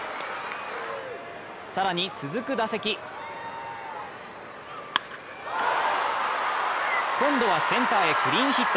更に続く打席今度はセンターへクリーンヒット。